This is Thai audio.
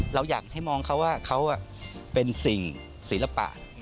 เราอยากให้มองเขาว่าเขาเป็นสิ่งศิลปะ